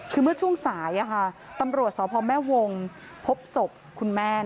คือเมื่อช่วงสายตำรวจสพแม่วงพบศพคุณแม่